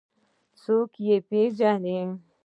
څوک پوهیږېي